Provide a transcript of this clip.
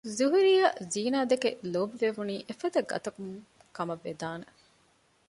ޒުހުރީއަށް ޒީނާދެކެ ލޯބިވެވުނީ އެފަދަގަތަކުން ކަމަށްވެސް ވެދާނެ